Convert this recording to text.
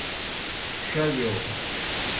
ݜہ بِیو۔